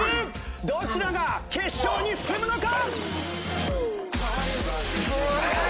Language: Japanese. どちらが決勝に進むのか！？